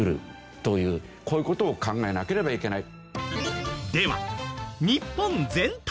こういう事を考えなければいけない。